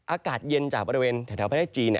อากาศเย็นจากบริเวณแถวประเทศจีน